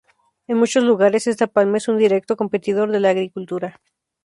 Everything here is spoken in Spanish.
En muchos lugares, esta palma es un directo competidor de la agricultura.